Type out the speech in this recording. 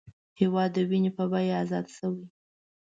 هېواد د وینې په بیه ازاد شوی